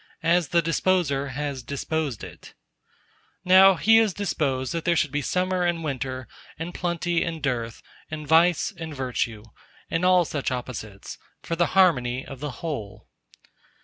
As the Disposer has disposed it. Now He has disposed that there should be summer and winter, and plenty and dearth, and vice and virtue, and all such opposites, for the harmony of the whole.